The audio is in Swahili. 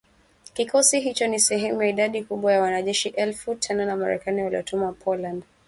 Kikosi hicho ni sehemu ya idadi kubwa ya wanajeshi elfu tano wa Marekani waliotumwa Poland